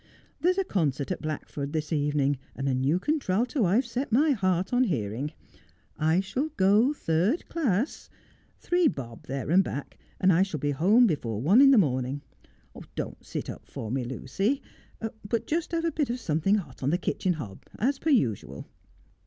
There's a concert at Blackford this evening, and a new contralto I've set my heart on hearing. I shall go third class. Three bob there and back, and I shall be home before one in the morning. Don't sit up for me, Lucy ; but just have a bit of something hot on the kitchen hob, as per usual.'